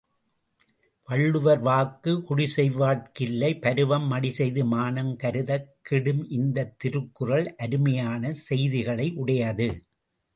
வள்ளுவர் வாக்கு குடிசெய்வார்க் கில்லை பருவம் மடிசெய்து மானம் கருதக் கெடும் இந்தத் திருக்குறள் அருமையான செய்திகளை உடையது.